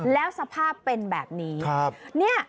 แล้วสภาพเป็นแบบนี้